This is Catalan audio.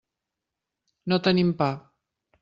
No tenim pa.